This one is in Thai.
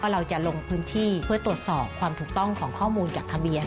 เราจะลงพื้นที่เพื่อตรวจสอบความถูกต้องของข้อมูลจากทะเบียน